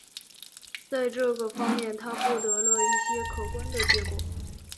在这个方面他获得了一些可观的结果。